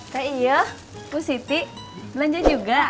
teh iyo bu siti belanja juga